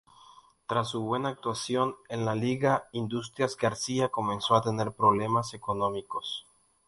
Tras su buena actuación en la liga, Industrias García comenzó a tener problemas económicos.